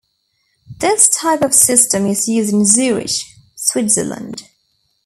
This type of system is used in Zurich, Switzerland.